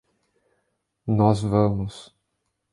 Nós vamos.